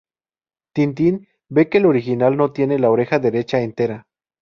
Tintín ve que el original no tiene la oreja derecha entera.